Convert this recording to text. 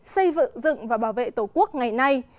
xây dựng và bảo vệ tổ quốc ngày nay